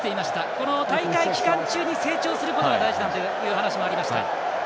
この大会期間中に成長することが大事だという話もありました。